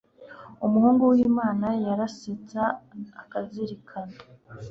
umuhungu wimana yarasetsa akazirikana